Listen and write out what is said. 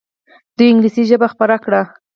دوی انګلیسي ژبه خپره کړه.